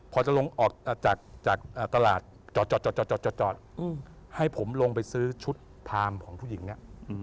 พอจะลงออกจากตลาดจอดให้ผมลงไปซื้อชุดพามของผู้หญิงเนี่ย